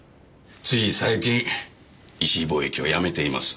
つい最近石井貿易を辞めています。